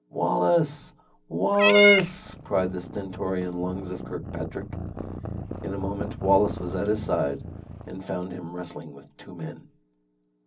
"Wallace! Wallace!" cried the stentorian lungs of Kirkpatrick. In a moment Wallace was at his side, and found him wrestling with two men.